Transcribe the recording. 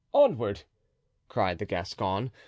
onward!" cried the Gascon.